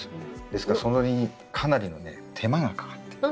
ですからそれにかなりのね手間がかかってる。